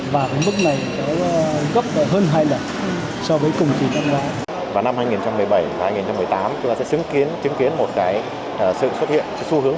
vào năm hai nghìn một mươi bảy hai nghìn một mươi tám chúng ta sẽ chứng kiến một sự xu hướng